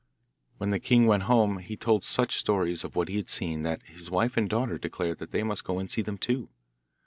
When the king went home he told such stories of what he had seen that his wife and daughter declared that they must go and see them too.